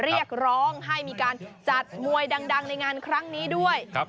เรียกร้องให้มีการจัดมวยดังในงานครั้งนี้ด้วย